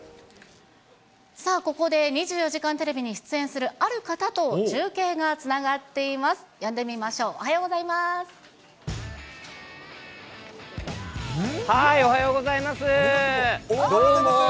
さあ、ここで２４時間テレビに出演するある方と中継がつながっています。